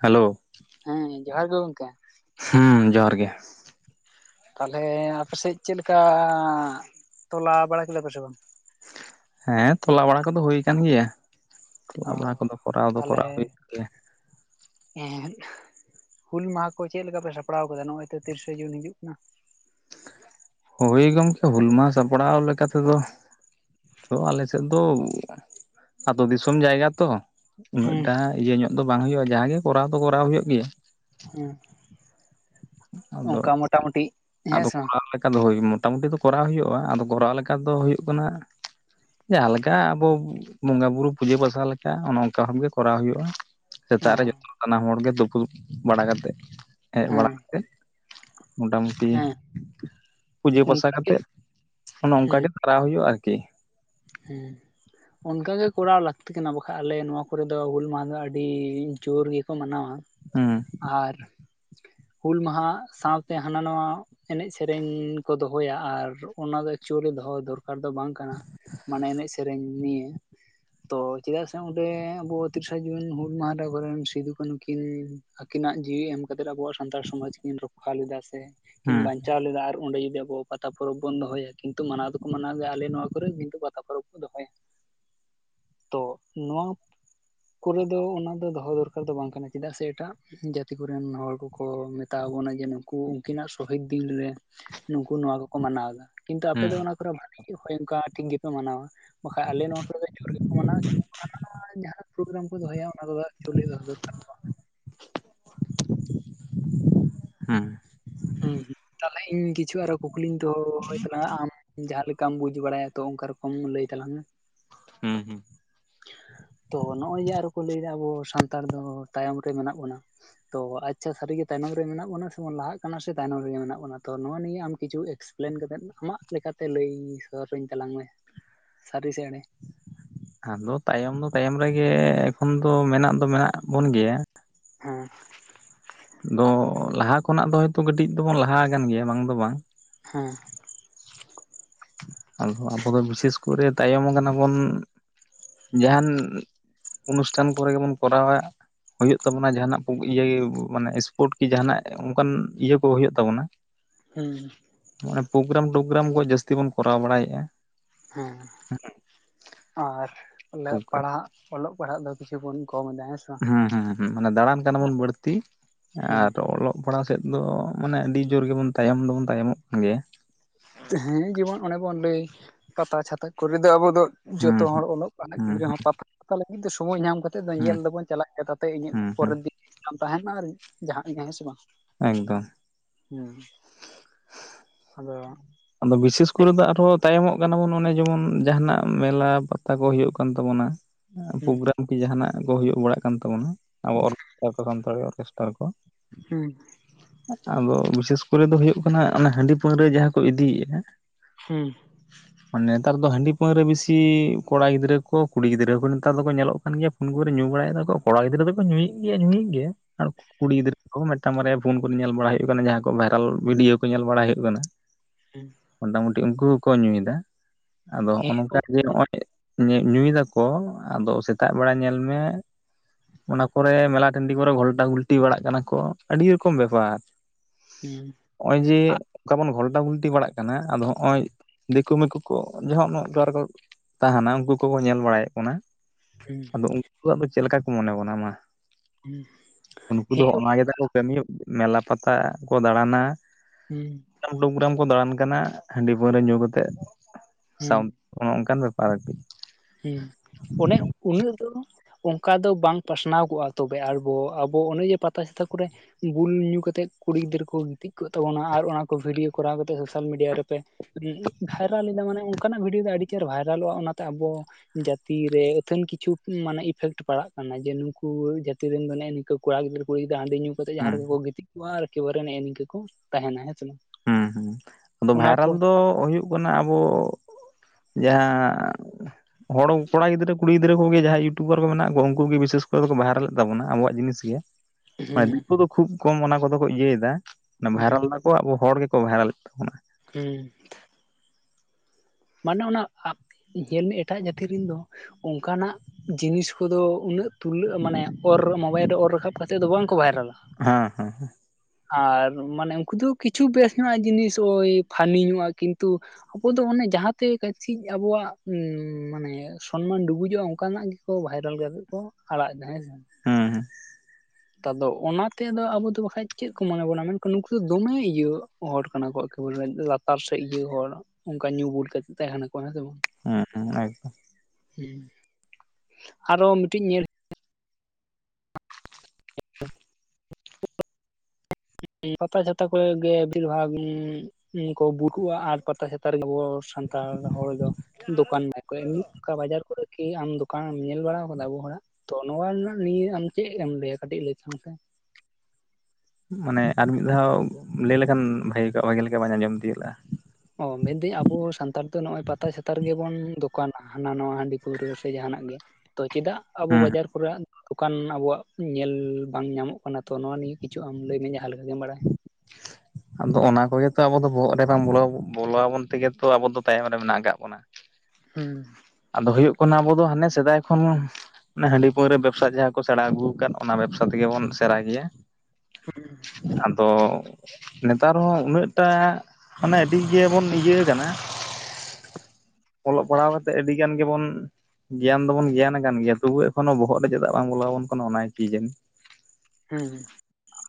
Hello ᱦᱮᱸ ᱡᱚᱦᱟᱸᱨ ᱜᱮ ᱜᱚᱝᱠᱮ ᱦᱮᱸ ᱡᱚᱦᱟᱸᱨ ᱜᱮ ᱛᱟᱦᱚᱞᱮ ᱟᱯᱮ ᱥᱮᱫ ᱪᱮᱫ ᱞᱮᱠᱟ ᱛᱚᱞᱟ ᱵᱟᱲᱟ ᱠᱮᱫᱟ ᱯᱮ ᱥᱮ ᱵᱟᱝ? ᱦᱮᱸ ᱛᱚᱞᱟ ᱵᱟᱲᱟ ᱠᱚᱫᱚ ᱦᱩᱭ ᱟᱠᱟᱱ ᱜᱮᱭᱟ ᱛᱚᱞᱟ ᱚ ᱵᱟᱲᱟ ᱠᱚᱫᱚ ᱠᱚᱨᱟᱣ ᱫᱚ ᱛᱟᱦᱚᱞᱮ ᱠᱚᱨᱟᱣ ᱦᱩᱭ ᱮᱭᱟ ᱦᱩᱞ ᱢᱟᱦᱟ ᱠᱚ ᱪᱮᱫ ᱞᱮᱠᱟ ᱯᱮ ᱥᱟᱯᱲᱟᱣ ᱟᱠᱟᱫᱟ? ᱱᱚᱜᱚᱭ ᱛᱚ ᱛᱤᱨᱤᱥᱮ ᱡᱩᱱ ᱦᱤᱡᱩᱜ ᱠᱟᱱᱟ᱾ ᱦᱳᱭ ᱜᱚᱢᱠᱮ ᱦᱩᱞ ᱢᱟᱦᱟ ᱥᱟᱯᱲᱟᱣ ᱞᱮᱠᱟ ᱛᱮ ᱫᱚ ᱛᱚ ᱟᱞᱮ ᱥᱮᱫ ᱫᱚ ᱟᱹᱛᱩ ᱫᱤᱥᱚᱢ ᱡᱟᱭᱜᱟ ᱛᱚ᱾ ᱦᱮᱸ ᱩᱱᱟᱹᱜᱴᱟ ᱤᱭᱟᱹ ᱧᱚᱜ ᱫᱚ ᱵᱟᱝ ᱦᱩᱭᱩᱜᱼᱟ ᱡᱟᱦᱟᱸ ᱜᱮ ᱠᱚᱨᱟᱣ ᱫᱚ ᱠᱚᱨᱟᱣ ᱦᱩᱭᱩᱜ ᱜᱮᱭᱟ᱾ ᱦᱮᱸ᱾ ᱟᱫᱚ ᱚᱱᱠᱟ ᱢᱚᱴᱟᱢᱩᱴᱤ ᱦᱮᱸ ᱟᱫᱚ ᱥᱮ ᱵᱟᱝ ᱠᱚᱨᱟᱣ ᱞᱮᱠᱟ ᱫᱚ ᱦᱩᱭ ᱢᱚᱴᱟᱢᱩᱴᱤ ᱫᱚ ᱠᱚᱨᱟᱣ ᱦᱩᱭᱩᱜᱼᱟ ᱟᱫᱚ ᱠᱚᱨᱟᱣ ᱞᱮᱠᱟ ᱫᱚ ᱦᱩᱭᱩᱜ ᱠᱟᱱᱟ ᱡᱟᱦᱟᱸ ᱞᱮᱠᱟ ᱟᱵᱚ ᱵᱚᱸᱜᱟ ᱵᱩᱨᱩ ᱯᱩᱡᱟᱹ ᱯᱟᱥᱟ ᱞᱮᱠᱟ ᱚᱱᱮ ᱚᱱᱠᱟ ᱵᱷᱟᱵᱽ ᱜᱮ ᱠᱚᱨᱟᱣ ᱦᱩᱭᱩᱜᱼᱟ᱾ ᱚ ᱥᱮᱛᱟᱜ ᱨᱮ ᱡᱚᱛᱚ ᱥᱟᱱᱟᱢ ᱦᱚᱲ ᱜᱮ ᱛᱩᱯᱩ ᱵᱟᱲᱟ ᱠᱟᱛᱮ ᱦᱮᱡ ᱵᱟᱲᱟ ᱦᱮᱸ ᱢᱳᱴᱟᱢᱩᱴᱤ ᱟᱨ ᱦᱮᱸ ᱠᱤ ᱯᱩᱡᱟᱹ ᱯᱟᱥᱟ ᱚᱱᱠᱟᱜᱮ ᱠᱟᱛᱮᱜ ᱚᱱᱮ ᱚᱱᱠᱟ ᱦᱮᱸ ᱜᱮ ᱠᱚᱨᱟᱣ ᱦᱩᱭᱩᱜᱼᱟ ᱟᱨᱠᱤ ᱦᱮᱸ᱾ ᱚᱱᱠᱟ ᱜᱮ ᱠᱚᱨᱟᱣ ᱞᱟᱹᱠᱛᱤ ᱠᱟᱱᱟ ᱵᱟᱠᱷᱟᱱ ᱟᱞᱮ ᱱᱚᱣᱟ ᱠᱚ ᱨᱮ ᱫᱚ ᱦᱩᱞ ᱢᱟᱦᱟ ᱫᱚ ᱟᱹᱰᱤ ᱡᱳᱨ ᱜᱮ ᱠᱚ ᱢᱟᱱᱟᱣᱟ᱾ ᱦᱮᱸ᱾ ᱟᱨ ᱦᱩᱞ ᱢᱟᱦᱟ ᱥᱟᱶᱛᱮ ᱦᱟᱱᱟ ᱱᱟᱣᱟ ᱮᱱᱮᱡ ᱥᱮᱨᱮᱧ ᱠᱚ ᱫᱚᱦᱚᱭᱟ ᱟᱨ ᱚᱱᱟ ᱫᱚ ᱮᱠᱪᱩᱭᱮᱞᱤ ᱫᱚᱦᱚ ᱫᱚᱨᱠᱟᱨ ᱫᱚ ᱵᱟᱝ ᱠᱟᱱᱟ᱾ ᱢᱟᱱᱮ ᱮᱱᱮᱡ ᱥᱮᱨᱮᱧ ᱱᱤᱭᱟᱹ ᱛᱚ ᱪᱮᱫᱟᱜ ᱥᱮ ᱚᱸᱰᱮ ᱟᱵᱚ ᱛᱤᱨᱤᱥᱮ ᱡᱩᱱ ᱦᱩᱞ ᱢᱟᱦᱟ ᱨᱮ ᱟᱵᱚ ᱨᱮᱱ ᱥᱤᱫᱩ ᱠᱟᱹᱱᱩ ᱠᱤᱱ ᱟᱹᱠᱤᱱᱟᱜ ᱡᱤᱣᱤ ᱮᱢ ᱠᱟᱛᱮ ᱟᱵᱚᱣᱟᱜ ᱥᱟᱱᱛᱟᱲ ᱥᱚᱢᱟᱡᱽ ᱠᱤᱱ ᱨᱚᱠᱠᱷᱟ ᱞᱮᱫᱟ ᱥᱮ ᱠᱤᱱ ᱦᱩᱸ ᱵᱟᱧᱪᱟᱣ ᱞᱮᱫᱟ ᱟᱨ ᱚᱸᱰᱮ ᱡᱩᱫᱤ ᱟᱵᱚ ᱯᱟᱛᱟ ᱯᱚᱨᱚᱵᱽ ᱵᱚᱱ ᱫᱚᱦᱚᱭᱟ ᱠᱤᱱᱛᱩ ᱢᱟᱱᱟᱣ ᱫᱚ ᱠᱚ ᱢᱟᱱᱟᱣ ᱜᱮᱭᱟ ᱟᱞᱮ ᱱᱚᱣᱟ ᱠᱚ ᱨᱮ ᱠᱤᱱᱛᱩ ᱯᱟᱛᱟ ᱯᱚᱨᱚᱵᱽ ᱠᱚ ᱫᱚᱦᱚᱭᱟ᱾ ᱛᱚ ᱱᱚᱣᱟ ᱠᱚᱨᱮ ᱫᱚ ᱚᱱᱟ ᱫᱚ ᱫᱚᱦᱚ ᱫᱚᱨᱠᱟᱨ ᱫᱚ ᱵᱟᱝ ᱠᱟᱱᱟ ᱪᱮᱫᱟᱜ ᱥᱮ ᱮᱴᱟᱜ ᱡᱟᱹᱛᱤ ᱠᱚᱨᱮᱱ ᱦᱚᱲ ᱠᱚᱠᱚ ᱢᱮᱛᱟ ᱵᱚᱱᱟ ᱡᱮ ᱱᱩᱠᱩ ᱩᱱᱠᱤᱱᱟᱜ ᱥᱩᱦᱤᱫ ᱫᱤᱱ ᱨᱮ ᱱᱩᱠᱩ ᱱᱚᱣᱟ ᱠᱚᱠᱚ ᱢᱟᱱᱟᱣ ᱮᱫᱟ, ᱠᱤᱱᱛᱩ ᱟᱯᱮ ᱦᱩᱸ ᱫᱚ ᱚᱱᱟ ᱠᱚᱨᱮ ᱵᱷᱟᱜᱮ ᱜᱮ ᱦᱩᱭ ᱚᱱᱠᱟ ᱴᱷᱤᱠ ᱜᱮᱯᱮ ᱢᱟᱱᱟᱣᱟ᱾ ᱵᱟᱠᱷᱟᱡ ᱟᱞᱮ ᱱᱚᱣᱟ ᱠᱚᱨᱮ ᱫᱚ ᱡᱳᱨ ᱜᱮᱠᱚ ᱢᱟᱱᱟᱣᱟ [unintelligible] ᱡᱟᱦᱟᱸ ᱯᱨᱳᱜᱨᱟᱢ ᱠᱚ ᱫᱚᱦᱚᱭᱟ ᱚᱱᱟ ᱠᱚᱫᱚ ᱮᱠᱪᱩᱭᱮᱞᱤ ᱫᱚᱦᱚ ᱫᱚᱨᱠᱟᱨ ᱵᱟᱝ ᱠᱟᱱᱟ᱾ ᱦᱮᱸ᱾ ᱦᱮᱸ ᱛᱟᱦᱚᱞᱮ ᱤᱧ ᱠᱤᱪᱷᱩ ᱟᱨᱦᱚ ᱠᱩᱠᱞᱤᱧ ᱫᱚᱦᱚᱭ ᱛᱟᱞᱟᱝᱟ ᱟᱢ ᱡᱟᱦᱟᱸ ᱞᱮᱠ ᱞᱮᱠᱟᱢ ᱵᱩᱡᱽ ᱵᱟᱲᱟᱭᱟ ᱛᱚ ᱚᱱᱠᱟ ᱨᱚᱠᱚᱢ ᱞᱟᱹᱭ ᱛᱟᱞᱟᱝ ᱢᱮ᱾ ᱦᱮᱸ ᱦᱮᱸ᱾ ᱛᱚ ᱱᱚᱜᱼᱚᱭ ᱡᱮ ᱟᱨᱚ ᱠᱚ ᱞᱟᱹᱭᱮᱫᱟ ᱟᱵᱚ ᱥᱟᱱᱛᱟᱲ ᱫᱚ ᱛᱟᱭᱚᱢ ᱨᱮ ᱢᱮᱱᱟᱜ ᱵᱚᱱᱟ᱾ ᱛᱚ ᱟᱪᱪᱷᱟ ᱥᱟᱹᱨᱤ ᱛᱟᱭᱱᱚᱢ ᱨᱮ ᱢᱮᱱᱟᱜ ᱵᱚᱱᱟ ᱥᱮᱵᱚᱱ ᱞᱟᱦᱟᱜ ᱥᱮ ᱛᱟᱭᱱᱚᱢ ᱨᱮᱜᱮ ᱢᱮᱱᱟᱜ ᱵᱚᱱᱟ ᱛᱚ ᱱᱚᱣᱟ ᱱᱤᱭᱮ ᱟᱢ ᱠᱤᱪᱷᱩ ᱮᱠᱥᱯᱞᱮᱱ ᱠᱟ ᱠᱟᱛᱮᱫ ᱟᱢᱟᱜ ᱞᱮᱠᱟᱛᱮ ᱞᱟᱹᱭ ᱥᱚᱫᱚᱨ ᱤᱧ ᱛᱟᱞᱟᱝ ᱢᱮ ᱥᱟᱹᱨᱤ ᱥᱮ ᱮᱲᱮ ᱟᱫᱚ ᱛᱟᱭᱚᱢ ᱫᱚ ᱛᱟᱭᱚᱢ ᱨᱮᱜᱮ ᱮᱠᱷᱚᱱ ᱫᱚ ᱢᱮᱱᱟᱜ ᱫᱚ ᱢᱮᱱᱟᱜ ᱵᱚᱱ ᱜᱮᱭᱟ, ᱦᱮᱸ ᱟᱫᱚ ᱞᱟᱦᱟ ᱠᱷᱚᱱᱟᱜ ᱫᱚ ᱦᱚᱭᱛᱚ ᱠᱟᱹᱴᱤᱡ ᱫᱚᱵᱚᱱ ᱞᱟᱦᱟ ᱟᱠᱟᱱ ᱜᱮᱭᱟ ᱵᱟᱝ ᱫᱚ ᱵᱟᱝ, ᱦᱮᱸ ᱟᱫᱚ ᱟᱵᱚ ᱫᱚ ᱵᱤᱥᱮᱥ ᱠᱚᱨᱮ ᱛᱟᱭᱚᱢ ᱠᱟᱱᱟ ᱵᱚᱱ ᱡᱟᱦᱟᱱ ᱚᱱᱩᱥᱴᱷᱟᱱ ᱠᱚᱨᱮ ᱜᱮᱵᱚᱱ ᱠᱚᱨᱟᱣᱟ᱾ ᱦᱳᱭᱳᱜ ᱛᱟᱵᱚᱱᱟ ᱡᱟᱦᱟᱱᱟᱜ ᱤᱭᱟᱹ ᱢᱟᱱᱮ ᱮᱥᱯᱳᱨᱴ ᱠᱤ ᱡᱟᱦᱟᱱᱟᱜ ᱚᱱᱠᱟᱱ ᱤᱭᱟᱹ ᱠᱚ ᱦᱳᱭᱳᱜ ᱛᱟᱵᱚᱱᱟ᱾ ᱦᱮᱸ᱾ ᱢᱟᱱᱮ ᱯᱨᱳᱜᱨᱟᱢ ᱴᱳᱜᱨᱟᱢ ᱠᱚ ᱡᱟᱹᱥᱛᱤ ᱵᱚᱱ ᱠᱚᱨᱟᱣ ᱵᱟᱲᱟᱭᱮᱫᱼᱟ᱾ ᱦᱮᱸ ᱟᱨ ᱟᱹᱞᱟᱹᱜ ᱯᱨᱳᱜᱨᱟᱢ ᱯᱟᱲᱦᱟᱜ ᱚᱞᱚᱜ ᱯᱟᱲᱦᱟᱜ ᱫᱚ ᱠᱤᱪᱷᱩ ᱵᱚᱱ ᱠᱚᱢ ᱮᱫᱟ ᱦᱮᱸᱥᱮ? ᱦᱮᱸ ᱦᱚᱸ ᱦᱚᱸ ᱢᱟᱱᱮ ᱫᱟᱬᱟᱱ ᱠᱟᱱᱟ ᱵᱚᱱ ᱵᱟᱹᱲᱛᱤ ᱦᱮᱸ ᱟᱨ ᱚᱞᱚᱜ ᱯᱟᱲᱦᱟᱣ ᱥᱮᱫ ᱫᱚ ᱢᱟᱱᱮ ᱟᱹᱰᱤ ᱡᱳᱨ ᱜᱮᱵᱚᱱ ᱛᱟᱭᱚᱢ ᱫᱚᱵᱚᱱ ᱛᱟᱭᱚᱢᱚᱜ ᱠᱟᱱ ᱜᱮᱭᱟ᱾ ᱦᱮᱸ ᱡᱮᱢᱚᱱ ᱚᱱᱮ ᱵᱚᱱ ᱞᱟᱹᱭ ᱯᱟᱛᱟ ᱪᱷᱟᱛᱟ ᱠᱚᱨᱮ ᱫᱚ ᱟᱵᱚ ᱫᱚ ᱦᱩᱸ ᱡᱚᱛᱚ ᱦᱩᱸ ᱦᱚᱲ ᱚᱞᱚᱜ ᱯᱟᱲᱦᱟᱜ ᱦᱩᱸ ᱜᱤᱫᱽᱨᱟᱹ ᱦᱚᱸ ᱯᱟᱛᱟ ᱚᱠᱟ ᱞᱟᱹᱜᱤᱫ ᱛᱮ ᱥᱚᱢᱳᱭ ᱧᱟᱢ ᱠᱟᱛᱮ ᱫᱚ ᱦᱩᱸ ᱧᱮᱞ ᱫᱚᱵᱚᱱ ᱪᱟᱞᱟᱜ ᱜᱮᱭᱟ ᱛᱟᱛᱮ ᱤᱧᱟᱹᱜ ᱦᱩᱸ ᱦᱩᱸ ᱯᱚᱨᱮᱨ ᱫᱤᱱ ᱛᱟᱦᱮᱱᱟ ᱟᱨ ᱡᱟᱦᱟᱸ ᱜᱮ ᱦᱮᱸ ᱥᱮ ᱵᱟᱝ? ᱮᱠᱫᱚᱢ ᱦᱩᱸ ᱟᱫᱚ, ᱟᱫᱚ ᱵᱤᱥᱮᱥ ᱠᱚᱨᱮ ᱫᱚ ᱟᱨᱦᱚ ᱛᱟᱭᱚᱢᱚᱜ ᱠᱟᱱᱟ ᱵᱚᱱ ᱚᱱᱮ ᱡᱮᱢᱚᱱ ᱡᱟᱦᱟᱱᱟᱜ ᱢᱮᱞᱟ ᱯᱟᱛᱟ ᱠᱚ ᱦᱳᱭᱳᱜ ᱠᱟᱱ ᱛᱟᱵᱚᱱᱟ ᱦᱩᱸ ᱯᱳᱜᱨᱟ ᱩᱱᱠᱩ ᱡᱟᱸᱦᱟᱱᱟᱜ ᱠᱚ ᱦᱳᱭᱳᱜ ᱵᱟᱲᱟᱜ ᱠᱟᱱ ᱛᱟᱵᱚᱱᱟ ᱟᱵᱚ ᱚᱨᱠᱮᱥᱴᱟᱨ ᱠᱚ ᱥᱟᱱᱛᱟᱲᱤ ᱚᱨᱠᱮᱥᱴᱟᱨ ᱠᱚ᱾ ᱦᱮᱸ ᱟᱫᱚ ᱵᱤᱥᱮᱥ ᱠᱚᱨᱮ ᱫᱚ ᱦᱳᱭᱳᱜ ᱠᱟᱱᱟ ᱦᱟᱺᱰᱤ ᱯᱟᱹᱣᱨᱟᱹ ᱡᱟᱦᱟᱸ ᱠᱚ ᱤᱫᱤᱭᱮᱫᱼᱟ, ᱦᱮᱸ ᱱᱮᱛᱟᱨ ᱫᱚ ᱦᱟᱺᱰᱤ ᱯᱟᱹᱣᱨᱟᱹ ᱵᱤᱥᱤ ᱠᱚᱲᱟ ᱜᱤᱫᱽᱨᱟᱹ ᱠᱚ ᱠᱩᱲᱤ ᱜᱤᱫᱽᱨᱟᱹ ᱦᱚᱠᱚ ᱱᱮᱛᱟᱨ ᱫᱚᱠᱚ ᱧᱮᱞᱚᱜ ᱠᱟᱱ ᱜᱮᱭᱟ᱾ [unintelligible] ᱨᱮ ᱧᱩ ᱵᱟᱲᱟᱭᱮᱫᱟᱠᱚ ᱠᱚᱲᱟ ᱜᱤᱫᱽᱨᱟᱹ ᱫᱚᱠᱚ ᱧᱩᱭᱮᱫ ᱜᱮᱭᱟ ᱧᱩᱭᱮᱫ ᱜᱮᱭ᱾ ᱟᱨ ᱦᱩᱸ ᱠᱩᱲᱤ ᱜᱤᱫᱽᱨᱟᱹ ᱠᱚᱦᱚᱸ ᱢᱤᱫᱴᱟᱝ ᱵᱟᱨᱭᱟ ᱯᱷᱳᱱ ᱠᱚᱨᱮ ᱧᱮᱞ ᱵᱟᱲᱟ ᱦᱳᱭᱳᱜ ᱠᱟᱱᱟ ᱡᱟᱦᱟᱸ ᱠᱚ ᱵᱷᱟᱭᱨᱟᱞ ᱵᱷᱤᱰᱭᱳ ᱠᱚ ᱧᱮᱞ ᱵᱟᱲᱟ ᱦᱳᱭᱳᱜ ᱠᱟᱱᱟ, ᱦᱮᱸ ᱢᱚᱴᱟᱢᱩᱴᱤ ᱩᱱᱠᱩ ᱦᱚᱸᱠᱚ ᱧᱩᱭᱮᱫᱟ, ᱟᱫᱚ ᱱᱚᱜᱼᱚ ᱦᱮᱸ ᱱᱚᱝᱠᱟ ᱡᱮ ᱱᱚᱜᱼᱚᱭ ᱧᱮᱜ ᱧᱩᱭ ᱫᱟᱠᱚ ᱟᱫᱚ ᱥᱮᱛᱟᱜ ᱵᱮᱲᱟ ᱧᱮᱞ ᱢᱮ, ᱚᱱᱟ ᱠᱚᱨᱮ ᱢᱮᱞᱟ ᱴᱟᱺᱰᱤ ᱠᱚᱨᱮ ᱜᱷᱚᱞᱴᱟ ᱜᱷᱩᱞᱴᱤ ᱵᱟᱲᱟᱜ ᱠᱟᱱᱟ ᱠᱚ ᱟᱹᱰᱤ ᱨᱚᱠᱚᱢ ᱵᱮᱯᱟᱨ᱾ ᱦᱮᱸ ᱦᱚᱸᱜᱼᱚᱭ ᱡᱮ ᱚᱠᱟᱵᱚᱱ ᱜᱷᱚᱞᱴᱟ ᱜᱷᱩᱞ ᱴᱤ ᱵᱟᱲᱟᱜ ᱠᱟᱱᱟ ᱟᱫᱚ ᱦᱚᱸᱜᱼᱚᱭ ᱫᱮᱠᱳ ᱢᱮᱠᱳ ᱠᱚ ᱡᱚᱸᱦᱚᱜ [inaudible] ᱛᱟᱦᱟᱱᱟ ᱩᱱᱠᱩ ᱠᱚᱠᱚ ᱧᱮᱞ ᱵᱟᱲᱟᱭᱮᱫ ᱵᱚᱱᱟ᱾ ᱚᱸᱻ ᱟᱫᱚ ᱩᱱᱠᱩᱣᱟᱜ ᱫᱚ ᱪᱮᱫ ᱞᱮᱠᱟ ᱠᱚ ᱢᱚᱱᱮ ᱵᱚᱱᱟ ᱢᱟᱦ ᱩᱱᱠᱩ ᱫᱚ ᱦᱮᱸ ᱦᱚᱜᱼᱱᱟ ᱜᱮ ᱛᱟᱠᱚ ᱠᱟᱹᱢᱤ [unintelligible] ᱢᱮᱞᱟ ᱯᱟᱛᱟ ᱠᱚ ᱫᱟᱬᱟᱱᱟ ᱾ ᱦᱩᱸ ᱾ [unintelligible] ᱠᱚ ᱫᱟᱬᱟᱱ ᱠᱟᱱᱟ ᱦᱟᱺᱰᱤ ᱯᱟᱹᱣᱨᱟᱹ ᱧᱩ ᱠᱟᱛᱮᱫ ᱥᱟᱶᱼᱼ ᱦᱩᱸ ᱚᱱᱮ ᱚᱱᱠᱟᱱ ᱵᱮᱯᱟᱨ ᱟᱨᱠᱤ ᱾ ᱦᱩᱸ ᱚᱱᱮ ᱩᱱᱟᱹᱜ ᱫᱚ ᱼᱼ ᱚᱝᱠᱟ ᱫᱚ ᱵᱟᱝ ᱯᱟᱥᱱᱟᱣ ᱠᱚᱜᱼᱟ ᱛᱚᱵᱮ, ᱟᱨᱵᱚ ᱟᱵᱚ ᱚᱱᱮ ᱡᱮ ᱯᱟᱛᱟ ᱪᱷᱟᱛᱟ ᱠᱚᱨᱮ ᱼᱼ ᱵᱩᱞ ᱧᱩ ᱠᱟᱛᱮᱫ ᱠᱩᱲᱤ ᱜᱤᱫᱽᱨᱟᱹ ᱠᱚ ᱜᱤᱛᱤᱡ ᱠᱚᱜ ᱛᱟᱵᱚᱱᱟ ᱟᱨ ᱚᱱᱟᱠᱚ ᱵᱷᱤᱰᱭᱳ ᱠᱚᱨᱟᱣ ᱠᱟᱛᱮ ᱥᱳᱥᱟᱞ ᱢᱤᱰᱤᱭᱟ ᱨᱮᱼᱼ ᱵᱷᱟᱭᱨᱟᱞ ᱮᱫᱟ ᱢᱟᱱᱮ ᱚᱱᱠᱟᱱᱟᱜ ᱵᱷᱤᱰᱭᱳ ᱫᱚ ᱟᱹᱰᱤ ᱪᱮᱦᱨᱟ ᱵᱷᱟᱭᱨᱟᱞᱚᱜᱼᱟ ᱚᱱᱟᱛᱮ ᱟᱵᱚ ᱼᱼ ᱡᱟᱹᱛᱤ ᱨᱮ ᱟᱹᱛᱷᱟᱹᱱ ᱠᱤᱪᱷᱩ ᱢᱟᱱᱮ ᱤᱯᱷᱮᱠᱴ ᱯᱟᱲᱟᱜ ᱠᱟᱱᱟ ᱡᱮ ᱱᱩᱠᱩ ᱼᱼ ᱛᱤ ᱨᱮᱱ ᱫᱚ ᱱᱮᱜᱼᱮ ᱱᱤᱝᱠᱟᱹ ᱠᱚᱲᱟ ᱜᱤᱫᱽᱨᱟᱹ ᱠᱩᱲᱤ ᱜᱤᱫᱽᱨᱟᱹ ᱦᱟᱹᱰᱤ ᱧᱩ ᱼᱼ ᱠᱟᱛᱮᱫ ᱡᱟᱦᱟᱸ ᱦᱩᱸ ᱨᱮᱜᱮ ᱠᱚ ᱜᱤᱛᱤᱡ ᱠᱚᱜᱼᱟ ᱮᱠᱮᱵᱟᱨᱮ ᱱᱮᱜᱼᱮ ᱱᱤᱝᱠᱟᱹ ᱠᱚ ᱛᱟᱦᱮᱱᱟ ᱦᱮᱸ ᱥᱮ ᱵᱟᱝ᱾ ᱦᱩᱸ ᱦᱩᱸ ᱟᱫᱚ ᱚᱱᱟ ᱠᱚ ᱵᱷᱟᱭᱨᱟᱞ ᱫᱚ ᱦᱩᱭᱩᱜ ᱠᱟᱱᱟ ᱟᱵᱚ ᱼᱼ ᱡᱟᱦᱟᱸᱻ ᱦᱚᱲ ᱠᱚᱲᱟ ᱜᱤᱫᱽᱨᱟᱹ ᱠᱩᱲᱤ ᱜᱤᱫᱽᱨᱟᱹ ᱠᱚ ᱜᱮ ᱡᱟᱦᱟᱸᱭ ᱤᱭᱩᱴᱩᱵᱟᱨ ᱠᱚ ᱢᱮᱱᱟᱜ ᱠᱚ ᱩᱱᱠᱩ ᱜᱮ ᱵᱤᱥᱮᱥ ᱠᱚᱨᱮ ᱫᱚ ᱠᱚ ᱵᱷᱟᱭᱨᱟᱞᱮᱫ ᱛᱟᱵᱚᱱᱟ ᱟᱵᱚᱣᱟᱜ ᱡᱤᱱᱤᱥ᱾ ᱦᱩᱸ ᱫᱤᱠᱩ ᱫᱚ ᱠᱷᱩᱵ ᱠᱚᱢ ᱚᱱᱟ ᱠᱚ ᱫᱚ ᱠᱚ ᱤᱭᱟᱹᱭ ᱮᱫᱟ ᱦᱩᱸ ᱵᱷᱟᱭᱨᱟᱞ ᱫᱟᱠᱚ ᱟᱵᱚ ᱼᱼ ᱦᱚᱲ ᱜᱮ ᱠᱚ ᱵᱷᱟᱭᱨᱟᱞᱮᱫ ᱛᱟᱵᱚᱱᱟ᱾ ᱦᱩᱸᱻ ᱢᱟᱱᱮ ᱚᱱᱟ [unintelligible] ᱧᱮᱞ ᱢᱮ ᱮᱴᱟᱜ ᱡᱟᱹᱛ ᱨᱤᱱ ᱫᱚ ᱚᱱᱠᱟᱱᱟᱜ ᱡᱤᱱᱤᱥ ᱠᱚᱫᱚ ᱩᱱᱟᱹᱜ ᱛᱩᱞᱟᱹ ᱢᱟᱱᱮ ᱚᱨ ᱢᱳᱵᱟᱭᱤᱞ ᱨᱮ ᱚᱨ ᱨᱟᱠᱟᱵ ᱠᱟᱛᱮᱫ ᱫᱚ ᱵᱟᱝ ᱠᱚ ᱵᱷᱟᱭᱨᱟᱞᱟ ᱾ ᱦᱮᱸ ᱦᱮᱸ ᱦᱮᱸ ᱾ ᱟᱨ ᱢᱟᱱᱮ ᱩᱱᱠᱩ ᱫᱚ ᱠᱤᱪᱷᱩ ᱵᱮᱥ ᱧᱚᱜᱼᱟᱜ ᱡᱤᱱᱤᱥ ᱳᱭ ᱯᱷᱟᱱᱤ ᱧᱚᱜᱼᱟᱜ ᱠᱤᱱᱛᱩ ᱼᱼ ᱟᱵᱚ ᱫᱚ ᱚᱱᱮ ᱡᱟᱦᱟᱸᱼᱼ ᱛᱮ ᱠᱟᱹᱪᱷᱤᱡ ᱟᱵᱚᱣᱟᱜ ᱢᱟᱱᱮ ᱥᱚᱱᱢᱟᱱ ᱰᱩᱵᱩᱡᱚᱜᱼᱟ ᱚᱱᱠᱟᱱᱟᱜ ᱜᱮ ᱠᱚ ᱵᱷᱟᱭᱨᱟᱞ ᱠᱟᱛᱮᱫ ᱠᱚ ᱼᱼ ᱟᱲᱟᱜ ᱫᱟ ᱦᱮᱸ ᱥᱮ᱾ ᱦᱩᱸ ᱦᱩᱸ ᱾ ᱱᱮᱛᱟᱨ ᱫᱚ ᱚᱱᱟ ᱛᱮᱫᱚ ᱟᱵᱚ ᱵᱟᱠᱷᱟᱡ ᱪᱮᱫ ᱠᱚ ᱢᱟᱜᱟᱣ ᱵᱚᱱᱟ ᱢᱮᱱᱠᱷᱟᱱ ᱱᱩᱠᱩ ᱫᱚ ᱫᱚᱢᱮ ᱤᱭᱟᱹ᱾ ᱦᱚᱲ ᱠᱟᱱᱟ ᱠᱚ ᱮᱠᱮᱵᱚᱞᱮ ᱞᱟᱛᱟᱨ ᱥᱮᱫ ᱤᱭᱟᱹ ᱦᱚᱲ ᱚᱱᱠᱟ ᱧᱩ ᱵᱩᱞ ᱠᱟᱛᱮᱜ ᱛᱟᱦᱮᱱᱟᱠᱚ ᱦᱮᱸ ᱥᱮ ᱵᱟᱝ? ᱦᱮᱸ ᱦᱮᱸ ᱮᱠᱫᱚᱢ ᱾ ᱦᱩᱸ ᱟᱨᱚ ᱢᱤᱫᱴᱤᱡ ᱧᱮᱞ ᱼᱼ [inaudible] [unintelligible] ᱯᱟᱛᱟ ᱪᱷᱟᱛᱟ ᱠᱚ ᱜᱮ ᱵᱤᱨ ᱵᱷᱟᱜᱽ ᱼᱼ ᱠᱚ ᱵᱩᱨ ᱠᱩᱜᱼᱟ ᱟᱨ ᱯᱟᱛᱟ ᱪᱷᱟᱛᱟ ᱨᱮᱜᱮ ᱟᱵᱚ ᱥᱟᱱᱛᱟᱲ ᱦᱚᱲ ᱫᱚ ᱫᱚᱠᱟᱱ ᱫᱟᱠᱚ ᱮᱢᱱᱤ ᱱᱚᱱᱠᱟ ᱵᱟᱡᱟᱨ ᱠᱚᱨᱮ ᱠᱤ ᱟᱢ ᱫᱚᱼᱼ ᱠᱟᱱᱮᱢ ᱧᱮᱞ ᱵᱟᱲᱟ ᱟᱠᱟᱫᱟ ᱟᱵᱚ ᱦᱚᱲᱟᱜ ᱛᱚ ᱱᱚᱣᱟ ᱨᱮᱱᱟᱜ ᱱᱤᱭᱮ ᱟᱢ ᱪᱮᱫ ᱮᱢ ᱞᱟᱹᱭᱟ ᱠᱟᱹᱴᱤᱡ ᱞᱟᱹᱭ ᱛᱟᱞᱟᱝ ᱢᱮᱥᱮ? ᱢᱟᱱᱮ ᱟᱨ ᱢᱤᱫ ᱫᱷᱟᱣ ᱞᱟᱹᱭ ᱞᱮᱠᱷᱟᱱ ᱵᱷᱟᱜᱮ ᱠᱚᱜ-ᱟ ᱵᱷᱟᱜᱮ ᱞᱮᱠᱟ ᱵᱟᱹᱧ ᱟᱸᱡᱚᱢ ᱛᱤᱭᱳᱹᱜ ᱞᱮᱫᱼᱟ ᱾ ᱢᱮᱱᱫᱟᱹᱧ ᱟᱵᱚ ᱥᱟᱱᱛᱟᱲ ᱫᱚ ᱱᱚᱜᱼᱚᱭ ᱯᱟᱛᱟ ᱪᱷᱟᱛᱟ ᱨᱮ ᱜᱮᱵᱚᱱ ᱫᱚᱠᱟᱱᱟ ᱦᱟᱱᱟ ᱱᱟᱣᱟ ᱦᱟᱺᱰᱤ ᱯᱟᱹᱣᱨᱟᱹ ᱥᱮ ᱡᱟᱦᱟᱱᱟᱜ ᱜᱮ᱾ ᱛᱚ ᱪᱮᱫᱟᱜ ᱟᱵᱚ ᱦᱩᱸ ᱵᱟᱡᱟᱨ ᱼᱼ ᱠᱚᱨᱮ ᱫᱚᱠᱟᱱ ᱟᱵᱚᱣᱟᱜ ᱧᱮᱞ ᱵᱟᱝ ᱧᱟᱢᱚᱜ ᱠᱟᱱᱟ ᱛᱚ ᱱᱚᱣᱟ ᱱᱤᱭᱮ ᱠᱤᱪᱷᱩ ᱟᱢ ᱞᱟᱹᱭ ᱢᱮ᱾ ᱡᱟᱦᱟᱸ ᱞᱮᱠᱟ ᱜᱮᱢ ᱵᱟᱲᱟᱭ᱾ [inaudible] ᱟᱢᱫᱚ ᱚᱱᱟ ᱠᱚ ᱜᱮᱛᱚ ᱟᱵᱚ ᱵᱚᱦᱚᱜ ᱨᱮ ᱵᱟᱝ ᱵᱚᱞᱚᱣᱟᱵᱚᱱ ᱛᱮᱜᱮ ᱛᱚ ᱟᱵᱚ ᱛᱟᱭᱚᱢ ᱨᱮ ᱢᱮᱱᱟᱜ ᱟᱠᱟᱫ ᱵᱚᱱᱟ ᱾ ᱦᱩᱸ ᱾ ᱟᱫᱚ ᱦᱩᱭᱩᱜ ᱠᱟᱱᱟ ᱟᱵᱚ ᱫᱚ ᱦᱟᱱᱮ ᱥᱮᱫᱟᱭ ᱠᱷᱚᱱ ᱼᱼ ᱦᱟᱺᱰᱤ ᱯᱟᱹᱣᱨᱟᱹ ᱵᱮᱵᱽᱥᱟ ᱡᱟᱦᱟᱸ ᱠᱚ ᱥᱮᱬᱟ ᱟᱹᱜᱩ ᱟᱠᱟᱫ ᱚᱱᱟ ᱵᱮᱵᱽᱥᱟ ᱛᱮ ᱜᱮᱵᱚᱱ ᱥᱮᱨᱟ ᱜᱮᱭᱟ᱾ ᱟᱫᱚ ᱼᱼ ᱱᱮᱛᱟᱨ ᱦᱚᱸ ᱩᱱᱟᱹᱜ ᱴᱟ ᱢᱟᱱᱮ ᱟᱹᱰᱤ ᱜᱮ ᱵᱚᱱ ᱤᱭᱟᱹ ᱠᱟᱱᱟ᱾ ᱚᱞᱚᱜ ᱯᱟᱲᱦᱟᱣ ᱠᱟᱛᱮᱫ ᱟᱹᱰᱤᱜᱟᱱ ᱜᱮ ᱵᱚᱱ ᱼᱼ ᱜᱮᱭᱟᱱ ᱫᱚᱵᱚᱱ ᱜᱮᱭᱟᱱ ᱟᱠᱟᱱ ᱜᱮᱭᱟ ᱾ ᱛᱚᱵᱩ ᱮᱠᱷᱚᱱᱚ ᱵᱚᱦᱚᱜ ᱨᱮ ᱪᱮᱫᱟᱜ ᱵᱟᱝ ᱵᱚᱞᱚ ᱟᱵᱚᱱ ᱠᱟᱱᱟ ᱚᱱᱟ ᱠᱤ ᱡᱟᱹᱱᱤ? ᱦᱮᱸᱻ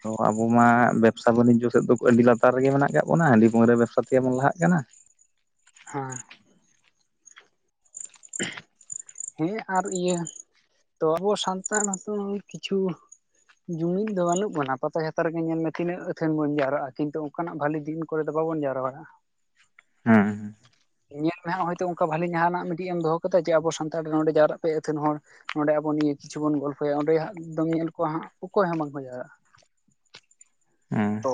ᱛᱚ ᱟᱵᱚ ᱢᱟ ᱵᱮᱵᱽᱥᱟ ᱵᱟᱱᱤᱡᱽᱡᱚ ᱥᱮᱫ ᱫᱚ ᱟᱹᱰᱤ ᱞᱟᱛᱟᱨ ᱨᱮᱜᱮ ᱢᱮᱱᱟᱜ ᱟᱠᱟᱫ ᱵᱚᱱᱟ ᱦᱟᱺᱰᱤ ᱯᱟᱹᱣᱨᱟᱹ ᱵᱮᱵᱽᱥᱟ ᱛᱮ ᱜᱮᱵᱚᱱ ᱞᱟᱦᱟᱜ ᱠᱟᱱᱟ᱾ ᱦᱚᱸ ᱾ ᱦᱤᱧ ᱟᱨ ᱤᱭᱟᱹ ᱛᱚ ᱟᱵᱚ ᱥᱟᱱᱛᱟᱲ ᱦᱚᱸᱛᱚ ᱠᱤᱪᱷᱩ ᱡᱩᱢᱤᱫ ᱫᱚ ᱵᱟᱹᱱᱩᱜ ᱵᱚᱱᱟ ᱯᱟᱛᱟ ᱪᱷᱟᱛᱟ ᱨᱮᱜᱮ ᱧᱮᱞ ᱢᱮ ᱛᱤᱱᱟᱹᱜ ᱟᱹᱛᱷᱟᱹᱱ ᱵᱚᱱ ᱡᱟᱣᱨᱟᱜᱼᱟ ᱠᱤᱱᱛᱩ ᱚᱱᱠᱟᱱᱟᱜ ᱵᱷᱟᱞᱤ ᱫᱤᱱ ᱠᱚᱨᱮ ᱫᱚ ᱵᱟᱵᱚᱱ ᱡᱟᱣᱨᱟᱜᱼᱟ᱾ ᱦᱩᱸ ᱧᱮᱞ ᱢᱮ ᱦᱟᱸᱜ ᱦᱚᱭᱛᱚ ᱚᱱᱠᱟ ᱵᱷᱟᱞᱤ ᱡᱟᱦᱟᱱᱟᱜ ᱢᱤᱫᱴᱤᱡ ᱮᱢ ᱫᱚᱦᱚ ᱠᱟᱫᱟ ᱡᱮ ᱟᱵᱚ ᱥᱟᱱᱛᱟᱲ ᱨᱮ ᱱᱚᱰᱮ ᱡᱟᱣᱨᱟᱜ ᱯᱮ ᱟᱹᱛᱟᱹᱱ ᱦᱚᱲ᱾ ᱚᱸᱰᱮ ᱟᱵᱚ ᱱᱤᱭᱟᱹ ᱠᱤᱪᱷᱩ ᱵᱚᱱ ᱜᱚᱞᱯᱚᱭᱟ ᱚᱸᱰᱮ ᱫᱚᱢ ᱧᱮᱞ ᱠᱚᱣᱟ ᱦᱟᱸᱜ ᱚᱠᱚᱭ ᱦᱚᱸ‌ ᱵᱟᱝᱠᱚ ᱡᱟᱣᱨᱟᱜᱼᱟ᱾ ᱦᱮᱸ ᱛᱚ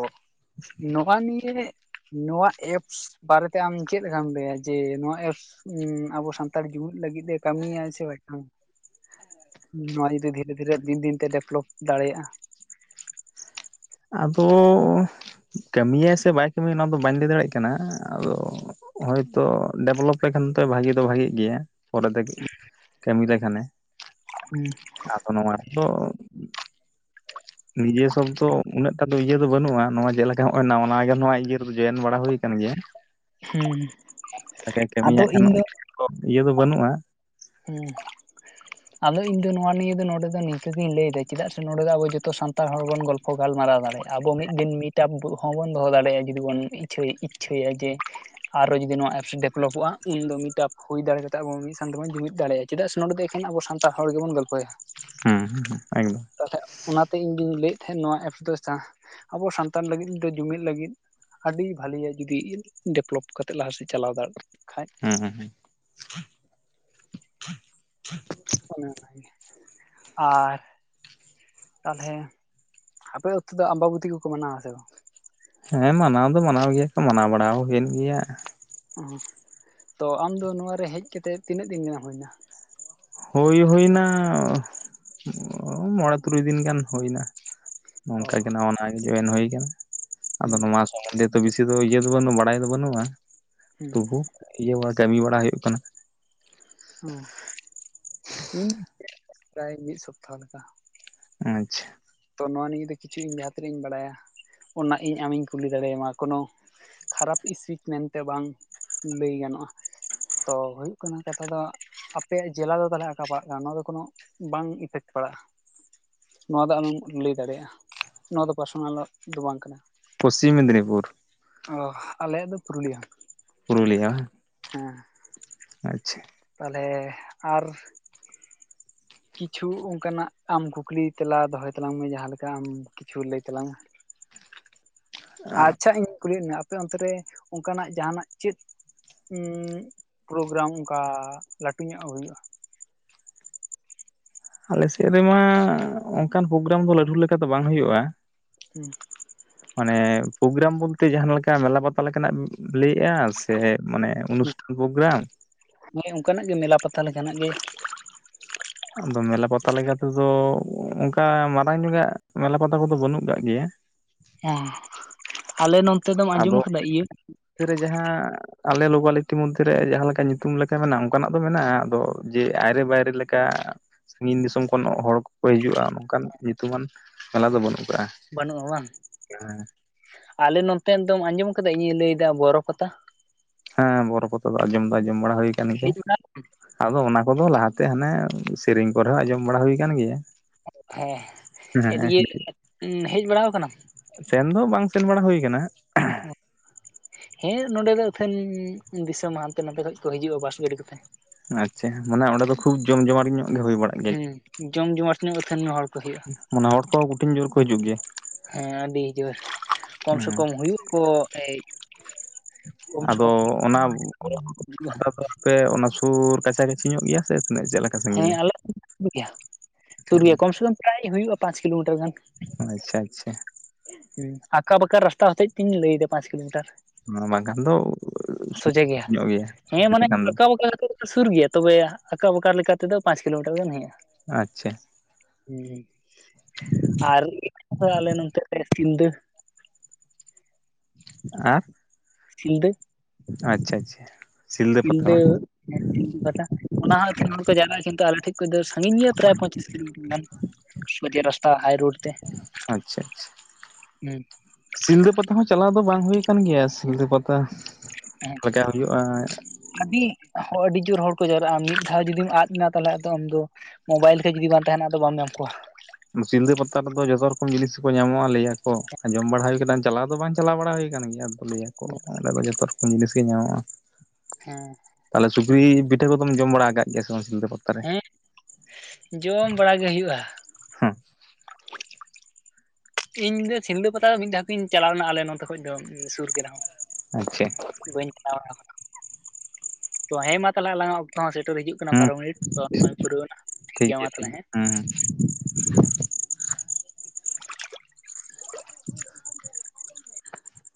ᱱᱚᱣᱟ ᱱᱤᱭᱮ ᱱᱚᱣᱟ ᱮᱯᱥ ᱵᱟᱨᱮᱛᱮ ᱟᱢ ᱪᱮᱫ ᱞᱮᱠᱟᱢ ᱞᱟᱹᱭᱟ ᱡᱮ ᱱᱚᱣᱟ ᱮᱯᱥ ᱦᱩᱸ ᱟᱵᱚ ᱥᱟᱱᱛᱟᱲ ᱡᱩᱢᱤᱫ ᱞᱟᱹᱜᱤᱫ ᱮ ᱠᱟᱹᱢᱤᱭᱟ ᱥᱮ ᱵᱟᱝ? ᱱᱚᱣᱟ ᱡᱩᱫᱤ ᱫᱷᱤᱨᱮ ᱫᱷᱤᱨᱮ ᱫᱤᱱ ᱫᱤᱱᱛᱮ ᱰᱮᱵᱷᱞᱚᱯ ᱫᱟᱲᱮᱭᱟᱜᱼᱟ ᱟᱫᱚ ᱠᱟᱹᱢᱤᱟᱭ ᱥᱮ ᱵᱟᱭ ᱠᱟᱹᱢᱤᱭᱟ ᱚᱱᱟ ᱫᱚ ᱵᱟᱹᱧ ᱞᱟᱹᱭ ᱫᱟᱲᱮᱭᱟᱜ ᱠᱟᱱᱟ ᱟᱫᱚ ᱦᱳᱭᱛᱳ ᱰᱮᱵᱷᱞᱚᱯ ᱞᱮᱠᱷᱟᱱ ᱫᱚ ᱵᱷᱟᱜᱮ ᱫᱚ ᱵᱷᱟᱜᱮᱜ ᱜᱮᱭᱟ ᱯᱚᱨᱮ ᱛᱮ ᱠᱟᱹᱢᱤ ᱞᱮᱠᱷᱟᱱᱮ [unintelligible] ᱟᱫᱚ ᱱᱚᱣᱟ ᱨᱮᱫᱚ ᱱᱤᱡᱮᱥ ᱥᱚᱵ ᱫᱚ ᱩᱱᱟᱹᱜ ᱴᱟ ᱫᱚ ᱤᱭᱟᱹ ᱫᱚ ᱵᱟᱹᱱᱩᱜᱼᱟ ᱱᱚᱣᱟ ᱪᱮᱫᱞᱮᱠᱟ ᱱᱚᱜᱼᱚᱭ ᱱᱟᱣᱟ ᱱᱟᱣᱟᱜᱮ ᱱᱚᱣᱟ ᱤᱭᱟᱹ ᱡᱚᱭᱮᱱ ᱵᱟᱲᱟ ᱦᱩᱭ ᱠᱟᱱ ᱜᱮᱭᱟ ᱦᱩᱸ ᱟᱫᱚ ᱠᱟᱹᱢᱤᱭᱟᱜ ᱠᱷᱟᱱ ᱤᱧ ᱤᱭᱟᱹ ᱫᱚ ᱵᱟᱹᱱᱩᱜᱼᱟ ᱦᱮᱸ ᱟᱫᱚ ᱤᱧ ᱫᱚ ᱱᱚᱣᱟ ᱱᱤᱭᱟᱹ ᱫᱚ ᱱᱚᱰᱮ ᱫᱚ ᱱᱤᱝᱠᱟᱹᱜᱤᱧ ᱞᱟᱹᱭ ᱮᱫᱟ ᱪᱮᱫᱟᱜ ᱥᱮ ᱱᱚᱰᱮ ᱫᱚ ᱟᱵᱚ ᱡᱚᱛᱚ ᱥᱟᱱ ᱛᱟᱲ ᱦᱚᱲ ᱵᱚᱱ ᱜᱚᱞᱯᱷᱚ ᱜᱟᱞᱢᱟᱨᱟᱣ ᱫᱟᱲᱮᱭᱟᱜᱼᱟ ᱟᱵᱚ ᱢᱤᱫ ᱫᱤᱱ ᱢᱤᱫᱴᱟ ᱦᱚᱸᱵᱚᱱ ᱫᱚᱦᱚ ᱫᱟᱲᱮᱭᱟᱜᱼᱟ ᱡᱩᱫᱤ ᱵᱚᱱ ᱪᱟᱹᱭ ᱤᱪᱪᱷᱟᱹᱭᱟ ᱡᱮ, ᱟᱨᱚ ᱡᱩᱫᱤ ᱱᱚᱣᱟ ᱮᱯᱥ ᱰᱮᱵᱽᱞᱚᱯᱚᱜᱼᱟ ᱩᱱᱫᱚ ᱢᱤᱫᱴᱟᱯ ᱦᱩᱭ ᱫᱟᱲᱮ ᱠᱟᱛᱮᱵᱚ ᱢᱤᱫ ᱥᱟᱶ ᱛᱟᱵᱚᱱ ᱡᱩᱢᱤᱫ ᱫᱟᱲᱮᱭᱟᱜᱼᱟ ᱪᱮᱫᱟᱜ ᱥᱮ ᱱᱚᱸᱰᱮ ᱫᱚ ᱮᱠᱷᱟᱱ ᱟᱵᱚ ᱥᱟᱱᱛᱟᱲ ᱦᱚᱲ ᱜᱮᱵᱚᱱ ᱜᱚᱞᱯᱷᱚᱭᱟ ᱦᱮᱸ ᱦᱮᱸ ᱦᱮᱸ ᱮᱠᱫᱚᱢ ᱛᱟᱦᱚᱞᱮ ᱚᱱᱟᱛᱮ ᱤᱧ ᱫᱚᱧ ᱞᱟᱹᱭᱮᱫ ᱛᱟᱦᱮᱸᱫ ᱱᱚᱣᱟ ᱮᱯᱥ ᱫᱚ ᱡᱟᱦᱟᱸ ᱟᱵᱚ ᱥᱟᱱᱛᱟᱲ ᱞᱟᱹᱜᱤᱫ ᱫᱚ ᱡᱩᱢᱤᱫ ᱞᱟᱹᱜᱤᱫ ᱟᱹᱰᱤ ᱵᱷᱟᱹᱞᱤᱭᱟ ᱡᱩᱫᱤ ᱰᱮᱵᱷᱞᱚᱯ ᱠᱟᱛᱮᱫ ᱞᱟᱦᱟ ᱥᱮᱫ ᱪᱟᱞᱟᱣ ᱫᱟᱲᱮᱜ ᱠᱷᱟᱱᱡ ᱦᱮᱸ ᱦᱮᱸ ᱦᱮᱸ [unintelligible] ᱟᱨ ᱛᱟᱦᱚᱞᱮ ᱟᱯᱮ ᱟᱛᱩ ᱫᱚ ᱟᱢᱵᱟᱵᱚᱛᱤ ᱠᱚᱠᱚ ᱢᱟᱱᱟᱣᱟ ᱥᱮ ᱵᱟᱝ ᱦᱮᱸ ᱢᱟᱱᱟᱣ ᱫᱚ ᱢᱟᱱᱟᱣ ᱜᱮᱭᱟ ᱠᱚ ᱢᱟᱱᱟᱣ ᱵᱟᱲᱟ ᱦᱩᱭᱮᱱ ᱜᱮᱭᱟ ᱛᱚ ᱟᱢ ᱫᱚ ᱱᱚᱣᱟ ᱨᱮ ᱦᱮᱡ ᱠᱟᱛᱮᱫ ᱛᱤᱱᱟᱹᱜ ᱫᱤᱱ ᱜᱟᱱᱮᱢ ᱦᱩᱭ ᱱᱟ ᱦᱩᱭ ᱦᱩᱭᱱᱟ ᱢᱚᱬᱮ ᱛᱩᱨᱩᱭ ᱫᱤᱱ ᱜᱟᱱ ᱦᱩᱭ ᱱᱟ ᱚ ᱱᱚᱝᱠᱟ ᱜᱮ ᱱᱟᱣᱟ ᱱᱟᱣᱟ ᱜᱮ ᱡᱚᱭᱮᱱ ᱦᱩᱭ ᱟᱠᱟᱱᱟ ᱟᱫᱚ ᱦᱩᱸ ᱱᱚᱣᱟ [unintelligible] ᱵᱮᱥᱤ ᱫᱚ ᱤᱭᱟᱹ ᱫᱚ ᱵᱟᱹᱱᱩᱜ-ᱟ ᱵᱟᱲᱟᱭ ᱫᱚ ᱵᱟᱹᱱᱩᱜᱼᱟ ᱦᱩᱸ ᱛᱚᱵᱩ ᱤᱭᱟᱹ ᱵᱟ ᱠᱟᱹᱢᱤ ᱵᱟᱲᱟ ᱦᱩᱭᱩᱜ ᱠᱟᱱᱟ [unintelligible] ᱤᱧ ᱯᱨᱟᱭ ᱢᱤᱫ ᱥᱚᱯᱛᱟᱦᱚ ᱞᱮᱠᱟ ᱟᱪᱪᱷᱟ ᱛᱚ ᱱᱚᱣᱟ ᱱᱤᱭᱮ ᱫᱚ ᱠᱤᱪᱷᱩ ᱤᱧ ᱡᱟᱦᱟᱸ ᱛᱤᱱᱟᱹᱜ ᱤᱧ ᱵᱟᱲᱟᱭᱟ ᱚᱱᱟ ᱤᱧ ᱟᱢᱤᱧ ᱠᱩᱞᱤ ᱫᱟᱲᱮᱭᱟᱢᱟ ᱠᱳᱱᱳ ᱠᱷᱟᱨᱟᱯ ᱤᱥᱤᱪ ᱢᱮᱱᱛᱮ ᱵᱟᱝ ᱞᱟᱹᱭ ᱜᱟᱱᱚᱜᱼᱟ ᱛᱚ ᱦᱩᱭᱩᱜ ᱠᱟᱱᱟ ᱠᱟᱛᱷᱟ ᱫᱚ ᱟᱯᱮᱭᱟᱜ ᱡᱮᱞᱟ ᱫᱚ ᱛᱟᱦᱚᱞᱮ ᱟᱠᱟ ᱯᱟᱲᱟᱜ ᱠᱟᱱᱟ ᱱᱚᱣᱟ ᱫᱚ ᱠᱳᱱᱚ ᱵᱟᱝ ᱤᱯᱷᱮᱠᱴ ᱯᱟᱲᱟᱜᱼᱟ ᱱᱚᱣᱟ ᱫᱚ ᱟᱢᱮᱢ ᱞᱟᱹᱭ ᱫᱟᱲᱮᱭᱟᱜᱼᱟ ᱱᱚᱣᱟ ᱫᱚ ᱯᱟᱨᱥᱚᱱᱟᱞ ᱫᱚ ᱵᱟᱝ ᱠᱟᱱᱟ ᱯᱚᱥᱪᱤᱢ ᱢᱮᱫᱽᱱᱤᱯᱩᱨ ᱚ ᱟᱞᱮᱭᱟᱜ ᱫᱚ ᱯᱩᱨᱩᱞᱤᱭᱟᱹ ᱯᱩᱨᱩᱞᱤᱭᱟ ᱦᱮᱸ ᱟᱪᱪᱷᱟ ᱛᱟᱞᱦᱮ ᱟᱨ ᱠᱤᱪᱷᱩ ᱚᱱᱠᱟᱱᱟᱜ ᱟᱢ ᱠᱩᱠᱞᱤ ᱛᱮᱞᱟ ᱫᱚᱦᱚᱭ ᱛᱟᱞᱟᱝ ᱢᱮ ᱡᱟᱦᱟᱸ ᱞᱮᱠᱟ ᱟᱢ ᱠᱤᱪᱷᱩ ᱞᱟᱹᱭ ᱛᱟᱞᱟᱝ ᱢᱮ ᱟᱪᱪᱷᱟ ᱤᱧ ᱠᱩᱞᱤᱭᱮᱫ ᱢᱮᱭᱟ ᱟᱯᱮ ᱚᱱᱛᱮ ᱨᱮ ᱚᱱᱠᱟᱱᱟᱜ ᱡᱟᱦᱟᱱᱟᱜ ᱪᱮᱫ ᱯᱨᱳᱜᱨᱟᱢ ᱚᱱᱠᱟ ᱞᱟᱹᱴᱩ ᱧᱚᱜ ᱦᱩᱭᱩᱜᱼᱟ ᱟᱞᱮᱥᱮᱜ ᱨᱮᱢᱟ ᱚᱝᱠᱟᱱ ᱯᱳᱜᱨᱟᱢ ᱫᱚ ᱞᱟᱹᱴᱩ ᱞᱮᱠᱟ ᱫᱚ ᱵᱟᱝ ᱦᱩᱭᱩᱜᱼᱟ᱾ ᱦᱩᱸ ᱢᱟᱱᱮ ᱯᱳᱜᱨᱟᱢ ᱵᱚᱞᱛᱮ ᱡᱟᱦᱟᱸ ᱞᱮᱠᱟ ᱢᱮᱞᱟ ᱵᱟᱛᱟᱞ ᱞᱮᱠᱟᱱᱟᱜ ᱞᱟᱹᱭᱮᱜᱼᱟ ᱥᱮ ᱢᱟᱱᱮ ᱩᱱᱩᱥ ᱵᱳᱜᱽᱨᱟᱢ ᱦᱮᱸ ᱚᱝᱠᱟᱱᱟᱜ ᱜᱮ ᱢᱮᱞᱟ ᱯᱟᱛᱟ ᱞᱮᱠᱟᱱᱟᱜ ᱜᱮ᱾ ᱟᱫᱚ ᱢᱮᱞᱟ ᱯᱟᱛᱟ ᱞᱮᱠᱟ ᱛᱮᱫᱚ ᱚᱝᱠᱟ ᱢᱟᱨᱟᱝ ᱧᱚᱜᱼᱟᱜ ᱢᱮᱞᱟ ᱯᱟᱛᱟ ᱠᱚᱫᱚ ᱵᱟᱹᱱᱩᱜ ᱠᱟᱜ ᱜᱮᱭᱟ᱾ ᱦᱮᱸ ᱟᱞᱮ ᱱᱚᱱᱚᱛᱮ ᱫᱚᱢ ᱟᱫᱚ ᱟᱸᱡᱚᱢ ᱟᱠᱟᱫᱟ ᱤᱭᱟᱹ ᱨᱮ ᱡᱟᱦᱟᱸ ᱟᱞᱮ ᱞᱳᱠᱟᱞᱤᱴᱤ ᱢᱚᱫᱽᱫᱷᱮᱨᱮ ᱡᱟᱦᱟᱸ ᱞᱮᱠᱟ ᱧᱩᱛᱩᱢ ᱞᱮᱠᱟ ᱢᱮᱱᱟᱜᱼᱟ ᱚᱝᱠᱟᱱᱟᱜ ᱫᱚ ᱢᱮᱱᱟᱜᱼᱟ ᱟᱫᱚ ᱡᱮ ᱟᱭᱨᱮ ᱵᱟᱭᱨᱮ ᱞᱮᱠᱟ ᱥᱟᱺᱜᱤᱧ ᱫᱤᱥᱚᱢ ᱠᱷᱚᱱ ᱦᱚᱲ ᱠᱚᱠᱚ ᱦᱤᱡᱩᱜᱼᱟ ᱱᱚᱝᱠᱟᱱ ᱧᱩᱛᱩᱢᱟᱱ ᱢᱮᱞᱟ ᱫᱚ ᱵᱟᱹᱱᱩᱜ ᱠᱟᱜᱼᱟ᱾ ᱵᱟᱹᱱᱩᱜᱼᱟ ᱵᱟᱝ ᱟᱞᱮ ᱱᱚᱛᱮ ᱫᱚᱢ ᱟᱸᱡᱚᱢ ᱠᱟᱫᱟ ᱤᱧᱤᱧ ᱞᱟᱹᱭᱫᱟ ᱵᱚᱨᱚ ᱯᱟᱛᱟ? ᱦᱮᱸ ᱵᱚᱨᱚ ᱯᱟᱛᱟ ᱫᱚ ᱟᱸᱡᱚᱢ ᱫᱚ ᱟᱸᱡᱚᱢ ᱵᱟᱲᱟ ᱦᱳᱭ ᱠᱟᱱ ᱜᱮᱭᱟ᱾ ᱦᱮᱡ ᱵᱟᱲᱟ ᱟᱫᱚ ᱚᱱᱟ ᱠᱚᱫᱚ ᱞᱟᱦᱟᱛᱮ ᱦᱟᱱᱮ ᱥᱮᱨᱮᱧ ᱠᱚᱨᱮ ᱦᱚᱸ ᱟᱸᱡᱚᱢ ᱵᱟᱲᱟ ᱦᱩᱭ ᱟᱠᱟᱱ ᱜᱮᱭᱟ᱾ ᱦᱮᱸ ᱟᱨ ᱤᱭᱟᱹ ᱦᱮᱡ ᱵᱟᱲᱟᱣ ᱠᱟᱱᱟᱢ? ᱥᱮᱱ ᱫᱚ ᱵᱟᱝ ᱥᱮᱱ ᱵᱟᱲᱟ ᱦᱩᱭ ᱠᱟᱱᱟ᱾ ᱚ ᱦᱮᱸ ᱱᱚᱸᱰᱮ ᱫᱚ ᱟᱹᱛᱷᱟᱹᱱ ᱫᱤᱥᱚᱢ ᱦᱟᱱᱛᱮ ᱱᱟᱛᱮ ᱠᱷᱚᱡ ᱠᱚ ᱦᱤᱡᱩᱜᱼᱟ ᱵᱟᱥ ᱜᱟᱹᱰᱤ ᱠᱚᱛᱮ᱾ ᱟᱪᱪᱷᱟ ᱢᱟᱱᱮ ᱚᱸᱰᱮ ᱠᱷᱩᱵ ᱡᱚᱢ ᱡᱚᱢᱟᱴ ᱧᱚᱜ ᱜᱮ ᱦᱩᱭ ᱵᱟᱲᱟᱜ ᱦᱩᱸ ᱜᱮᱭᱟ ᱡᱚᱢ ᱡᱚᱢᱟᱴ ᱛᱤᱱᱟᱹᱜ ᱟᱹᱛᱷᱟᱹᱱ ᱦᱚᱲ ᱠᱚ ᱦᱳᱭᱩᱜᱼᱟ᱾ ᱢᱟᱱᱮ ᱦᱚᱲ ᱠᱚ ᱠᱩᱴᱷᱤᱱ ᱡᱳᱨ ᱠᱚ ᱦᱤᱡᱩᱜ ᱜᱮᱭᱟ? ᱦᱮᱸ ᱟᱹᱰᱤ ᱡᱳᱨ ᱠᱚᱢ ᱥᱮ ᱦᱮᱸ ᱠᱚᱢ ᱦᱩᱭᱩᱜ ᱠᱚ ᱮᱭ ᱠᱚᱢ ᱥᱮ ᱟᱫᱚ ᱠᱚᱢ [unintelligible] ᱯᱮ ᱚᱱᱟ ᱥᱩᱨ ᱠᱟᱪᱷᱟ ᱠᱟᱪᱷᱤ ᱧᱚᱜ ᱜᱮᱭᱟ ᱥᱮ ᱛᱤᱱᱟᱹᱜ ᱪᱮᱜ ᱞᱮ ᱦᱮᱸ ᱟᱞᱮ ᱫᱚ ᱥᱩᱨ ᱜᱮᱭᱟ ᱥᱩᱨ ᱜᱮᱭᱟ ᱠᱚᱢ ᱥᱮ ᱠᱚᱢ ᱯᱨᱟᱭ ᱦᱩᱭᱩᱜᱼᱟ ᱯᱟᱸᱪ ᱠᱤᱞᱳᱢᱤᱴᱟᱨ ᱜᱟᱱ᱾ ᱟᱪᱪᱷᱟ ᱟᱪᱪᱷᱟ ᱦᱮᱸ ᱟᱠᱟ ᱵᱟᱠᱟ ᱨᱟᱥᱛᱟ ᱦᱚᱛᱮᱡ ᱛᱤᱧ ᱞᱟᱹᱭᱮᱫᱟ ᱯᱟᱸᱪ ᱠᱤᱞᱳᱢᱤᱴᱟᱨ᱾ ᱵᱟᱝᱠᱷᱟᱱ ᱫᱚ ᱥᱚᱡᱷᱮ ᱜᱮᱭᱟ ᱦᱮᱸ ᱢᱟᱱᱮ ᱞᱮᱠᱷᱟᱱ ᱫᱚ ᱚᱠᱟ ᱵᱟᱠᱟ ᱠᱟ ᱨᱮᱫᱚ ᱥᱩᱨ ᱜᱮᱭᱟ ᱛᱚᱵᱮ ᱟᱠᱟ ᱵᱟᱠᱟ ᱞᱮᱠᱟᱛᱮᱫᱚ ᱯᱟᱸᱪ ᱠᱤᱞᱳᱢᱤᱴᱟᱨ ᱜᱟᱱ ᱦᱩᱭᱩᱜᱼᱟ᱾ ᱟᱪᱪᱷᱟ ᱦᱮᱸ ᱟᱨ [unintelligible] ᱟᱞᱮ ᱱᱚᱛᱮ ᱨᱮ ᱥᱤᱞᱫᱟᱹ ᱟᱸ ᱥᱤᱞᱫᱟᱹ ᱟᱪᱪᱷᱟ ᱟᱪᱪᱷᱟ ᱯᱟᱛᱟ ᱥᱤᱞᱫᱟᱹ ᱵᱟᱝ ᱦᱮᱸ ᱥᱤᱞᱫᱟᱹ ᱯᱟᱴᱟ ᱚᱱᱟ ᱦᱚᱸ ᱮᱠᱷᱟᱱ ᱦᱚᱲ ᱠᱚ ᱡᱟᱣᱨᱟᱜᱼᱟ ᱠᱤᱱᱛᱩ ᱟᱞᱮ ᱴᱷᱮᱡ ᱠᱟᱹᱡ ᱫᱚ ᱥᱟᱺᱜᱤᱧ ᱜᱮᱭᱟ ᱯᱨᱟᱭ ᱯᱚᱸᱪᱤᱥ ᱠᱤᱞᱳᱢᱤᱴᱟᱨ ᱜᱟᱱ ᱥᱚᱡᱷᱮ ᱨᱟᱥᱛᱟ ᱦᱟᱭ ᱨᱳᱰ ᱛᱮ᱾ ᱟᱪᱪᱷᱟ ᱦᱩᱸ ᱥᱤᱞᱫᱟᱹ ᱯᱟᱛᱟ ᱦᱚᱸ ᱪᱟᱞᱟᱣ ᱫᱚ ᱵᱟᱝ ᱦᱩᱭ ᱟᱠᱟᱱ ᱜᱮᱭᱟ ᱥᱤᱞᱫᱟᱹ ᱯᱟᱛᱟ ᱦᱮᱸ ᱞᱮᱠᱟ ᱦᱩᱭᱩᱜᱼᱟ᱾ ᱟᱹᱰᱤ ᱟᱹᱰᱤ ᱡᱳᱨ ᱦᱚᱲ ᱠᱚ ᱡᱟᱣᱨᱟᱜᱼᱟ, ᱢᱤᱫ ᱫᱷᱟᱣ ᱡᱩᱫᱤᱢ ᱟᱫ ᱮᱱᱟ ᱛᱟᱞᱦᱮ ᱟᱫᱚ ᱟᱢ ᱫᱚ ᱢᱳᱵᱟᱭᱤᱞ ᱠᱚ ᱡᱩᱫᱤ ᱵᱟᱝ ᱛᱟᱦᱮᱱᱟ ᱟᱫᱚ ᱵᱟᱢ ᱧᱟᱢ ᱠᱚᱣᱟ᱾ ᱥᱤᱞᱫᱟᱹ ᱯᱟᱛᱟ ᱨᱮᱫᱚ ᱡᱚᱛᱚ ᱨᱚᱠᱚᱢ ᱡᱤᱱᱤᱥ ᱠᱚ ᱧᱟᱢᱚᱜᱼᱟ ᱞᱟᱹᱭ ᱟᱠᱚ ᱟᱸ ᱡᱚᱢ ᱵᱟᱲᱟ ᱦᱩᱭ ᱟᱠᱟᱱᱟ ᱪᱟᱞᱟᱣ ᱫᱚ ᱵᱟᱝ ᱪᱟᱞᱟᱣ ᱵᱟᱲᱟ ᱦᱩᱭᱠᱟᱱ ᱜᱮᱭᱟ ᱟᱫᱚ ᱞᱟᱹᱭᱟᱠᱚ ᱚᱸᱰᱮ ᱫᱚ ᱡᱚᱛᱚ ᱨᱚᱠᱚᱢ ᱡᱤᱱᱤᱥ ᱜᱮ ᱧᱟᱢᱚᱜᱼᱟ᱾ ᱦᱮᱸ ᱛᱟᱞᱮ ᱥᱩᱠᱨᱤ ᱯᱤᱴᱷᱟᱹ ᱠᱚᱫᱚᱢ ᱡᱚᱢ ᱵᱟᱲᱟ ᱟᱠᱟᱜ ᱜᱮᱭᱟ ᱥᱮ ᱵᱟᱝᱟ ᱥᱤᱞᱫᱟᱹ ᱯᱟᱛ ᱦᱮᱸ ᱡᱚᱢ ᱵᱟᱲᱟᱜ ᱜᱮ ᱦᱩᱭᱩᱜᱼᱟ᱾ ᱦᱩᱸ ᱤᱧ ᱫᱚ ᱥᱤᱞᱫᱟᱹ ᱯᱟᱛᱟ ᱫᱚ ᱢᱤᱫ ᱫᱷᱟᱣ ᱜᱤᱧ ᱪᱟᱞᱟᱣ ᱞᱮᱱᱟ ᱟᱞᱮ ᱱᱚᱛᱮ ᱠᱷᱚᱡ ᱫᱚ ᱥᱩᱨ ᱜᱮ ᱨᱮᱦᱚᱸ᱾ ᱟᱪᱪᱷᱟ ᱵᱟᱹᱧ ᱪᱟᱞᱟᱣ ᱵᱟᱲᱟ ᱠᱟᱱᱟ ᱛᱚ ᱦᱮᱸ ᱢᱟ ᱛᱟᱞᱦᱮ ᱟᱞᱟᱝᱟᱜ ᱚ ᱛᱚᱦᱚᱸ ᱥᱮᱴᱮᱨ ᱦᱤᱡᱩᱜ ᱠᱟᱱᱟ ᱦᱮᱸ ᱵᱟᱨᱚ ᱢᱤᱱᱤᱴ ᱛᱚ ᱦᱚᱸᱜᱼᱚᱭ ᱯᱩᱨᱟᱹᱣ ᱮᱱᱟ ᱴᱷᱤᱠ ᱜᱮᱭᱟ ᱢᱟ ᱛᱟᱞᱦᱮ ᱦᱮᱸ᱾ [unintelligible] [unintelligible]